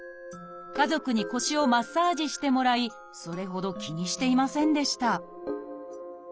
家族に腰をマッサージしてもらいそれほど気にしていませんでした